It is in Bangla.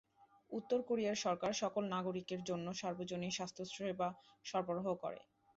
উত্তর কোরিয়ার সরকার সকল নাগরিকের জন্য সার্বজনীন স্বাস্থ্যসেবা সরবরাহ করে।